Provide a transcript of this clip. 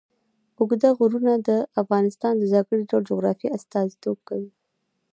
اوږده غرونه د افغانستان د ځانګړي ډول جغرافیه استازیتوب کوي.